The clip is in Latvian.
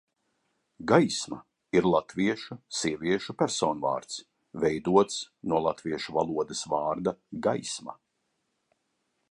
"Gaisma ir latviešu sieviešu personvārds, veidots no latviešu valodas vārda "gaisma"."